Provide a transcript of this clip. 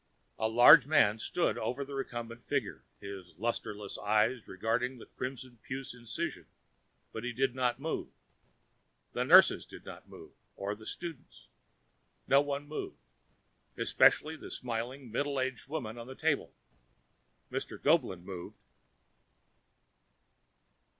A large man stood over the recumbent figure, his lusterless eyes regarding the crimson puce incision, but he did not move. The nurses did not move, or the students. No one moved, especially the smiling middle aged woman on the table. Mr. Goeblin moved....